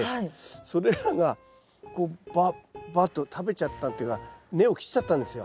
それらがこうバッバッと食べちゃったっていうか根を切っちゃったんですよ。